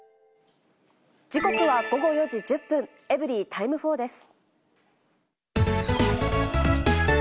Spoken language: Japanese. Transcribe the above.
時刻は午後４時１０分、エブリィタイム４です。